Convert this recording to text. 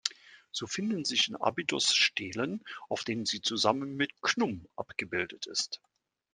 So finden sich in Abydos Stelen, auf denen sie zusammen mit Chnum abgebildet ist.